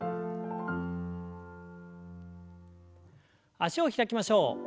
脚を開きましょう。